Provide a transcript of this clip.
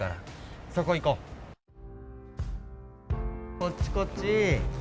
こっちこっち。